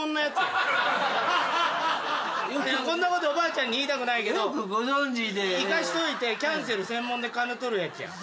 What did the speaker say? こんなことおばあちゃんに言いたくないけど行かしといてキャンセル専門で金取るやつやん。